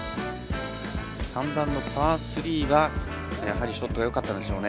３番のパー３はショットがよかったですね。